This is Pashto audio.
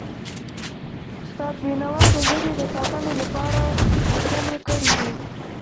استاد بینوا د ژبې د ساتنې لپاره لیکنې کړی دي.